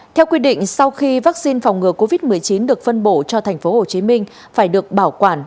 theo quy định sau khi vaccine phòng ngừa covid một mươi chín được phân bổ cho tp hcm phải được bảo quản